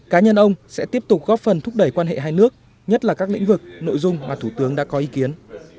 cá nhân ông sẽ tiếp tục góp phần thúc đẩy quan hệ hai nước nhất là các lĩnh vực nội dung mà thủ tướng đã có ý kiến